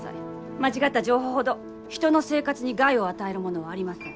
間違った情報ほど人の生活に害を与えるものはありません。